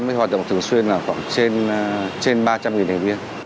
mới hoạt động thường xuyên là khoảng trên ba trăm linh thành viên